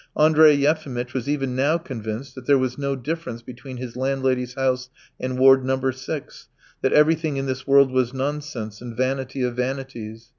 Andrey Yefimitch was even now convinced that there was no difference between his landlady's house and Ward No. 6, that everything in this world was nonsense and vanity of vanities.